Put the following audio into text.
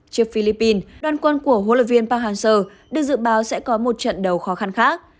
trước philippines đoàn quân của hỗ lợi viên park han seo được dự báo sẽ có một trận đầu khó khăn khác